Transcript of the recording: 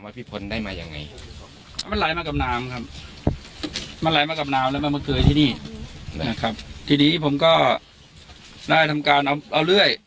มันไหลมากับน้ำครับมันไหลมากับน้ำแล้วมันมาเกยที่นี่ทีนี้ผมก็ได้ทำการเอาเลื่อย